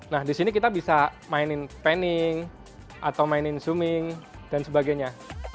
nah di sini kita bisa mainin paning atau mainin zooming dan sebagainya